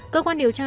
cơ quan điều tra